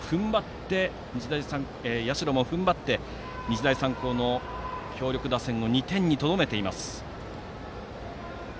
社も踏ん張って日大三高の強力打線を２点にとどめています。